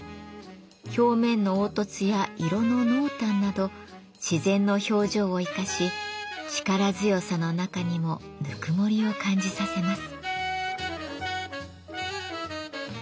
表面の凹凸や色の濃淡など自然の表情を生かし力強さの中にもぬくもりを感じさせます。